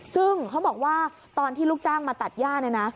ซึ่งเขาบอกว่าตอนที่ลูกจ้างมาตัดย่าเนี่ยนะ